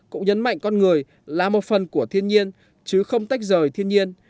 cũng nhấn mạnh con người là một phần của thiên nhiên chứ không tách rời thiên nhiên